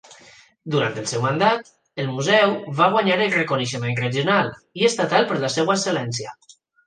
Durant el seu mandat, el museu va guanyar el reconeixement regional i estatal per la seva excel·lència.